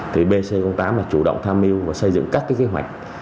thì bc tám là chủ động tham mưu và xây dựng các cái kế hoạch